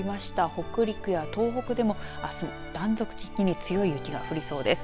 北陸や東北でもあすは断続的に強い雪が降りそうです。